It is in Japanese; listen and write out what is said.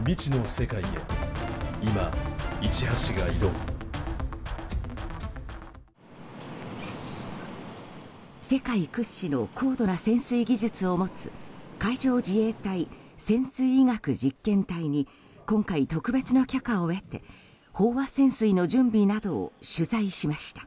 世界屈指の高度な潜水技術を持つ海上自衛隊潜水医学実験隊に今回、特別な許可を得て飽和潜水の準備などを取材しました。